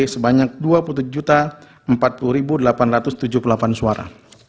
sebanyak dua puluh tujuh empat puluh delapan ratus tujuh puluh delapan suara